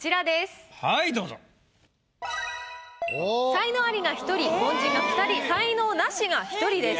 才能アリが１人凡人が２人才能ナシが１人です。